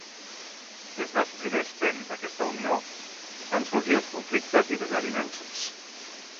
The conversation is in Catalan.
Des dels primers temps d'aquesta unió van sorgir els conflictes i desavinences.